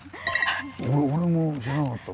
俺も知らなかった。